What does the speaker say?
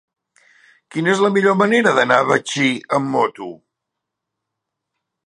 Quina és la millor manera d'anar a Betxí amb moto?